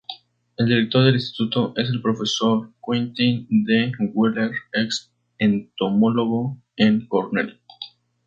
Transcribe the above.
El director del instituto es el profesor Quentin D. Wheeler, ex entomólogo en Cornell.